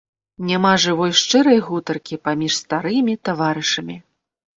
Няма жывой шчырай гутаркі паміж старымі таварышамі.